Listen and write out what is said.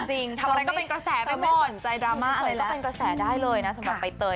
ทำอะไรก็เป็นกระแสไปหมดใจดราม่าอะไรก็เป็นกระแสได้เลยนะสำหรับใบเตย